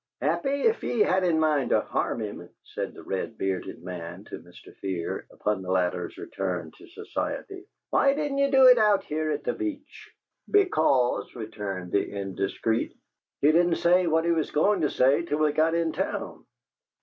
"Happy, if ye had it in mind to harm him," said the red bearded man to Mr. Fear, upon the latter's return to society, "why didn't ye do it out here at the Beach?" "Because," returned the indiscreet, "he didn't say what he was goin' to say till we got in town."